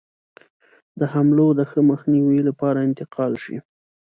د حملو د ښه مخنیوي لپاره انتقال شي.